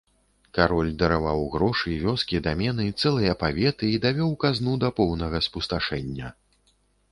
Кароль дараваў грошы, вёскі, дамены, цэлыя паветы, і давёў казну да поўнага спусташэння.